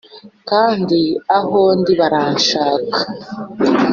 kandi aho ndi baranshaka